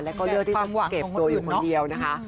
แล้วก็เลือกที่จะเก็บตัวอยู่คนเดียวนะคะ